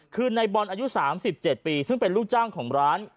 คือในบอลอายุ๓๗ปีซึ่งเป็นลูกจ้างของร้าน